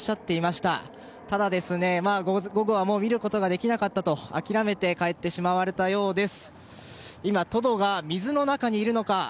ただ、午後はもう見ることができなかったと諦めて帰ってしまわれたようです。